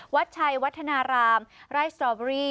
วัดชัยวัฒนารามไร่สตรอเบอรี่